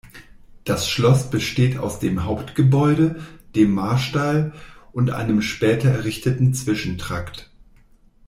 Das Schloss besteht aus dem Hauptgebäude, dem Marstall und einem später errichteten Zwischentrakt.